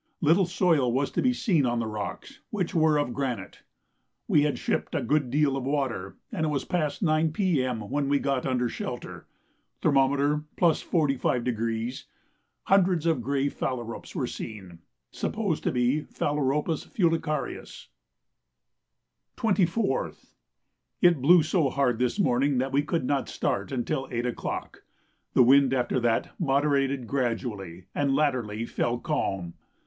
Little soil was to be seen on the rocks, which were of granite. We had shipped a good deal of water, and it was past 9 P.M. when we got under shelter. Thermometer +45°. Hundreds of grey phalaropes were seen, supposed to be Phalaropus fulicarius. 24th. It blew so hard this morning that we could not start until 8 o'clock. The wind after that moderated gradually, and latterly fell calm.